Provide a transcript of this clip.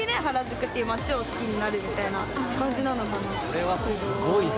これはすごいな。